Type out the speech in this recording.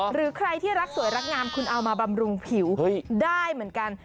หรือใครที่รักสวยรักงามคุณเอามาบำรุงผิวได้เหมือนกัน